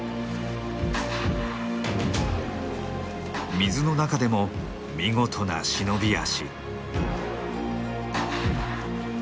水の中でも見事な忍び足。